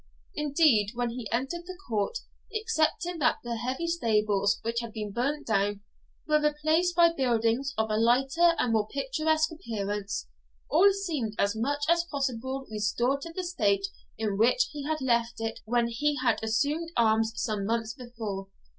Indeed, when he entered the court, excepting that the heavy stables, which had been burnt down, were replaced by buildings of a lighter and more picturesque appearance, all seemed as much as possible restored to the state in which he had left it when he assumed arms some months before.